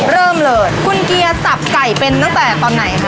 เริ่มเลยคุณเกียร์สับไก่เป็นตั้งแต่ตอนไหนคะ